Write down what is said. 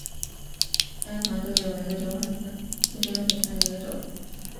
蔗黄杜鹃为杜鹃花科杜鹃属下的一个种。